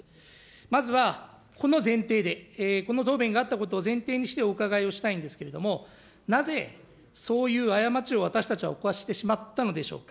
まずはこの前提で、この答弁があったことを前提にしてお伺いしたいんですけれども、なぜそういった過ちを私たちは犯してしまったのでしょうか。